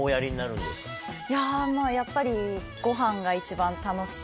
いやまぁやっぱりごはんが一番楽しい。